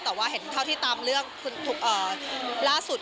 แต่ว่าเห็นเท่าที่ตามเรื่องล่าสุด